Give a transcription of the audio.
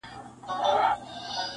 • تورې موږ وکړې ګټه تا پورته کړه..